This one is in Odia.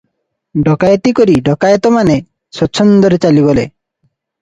ଡକାଏତି କରି ଡକାଏତମାନେ ସ୍ୱଚ୍ଛନ୍ଦରେ ଚାଲିଗଲେ ।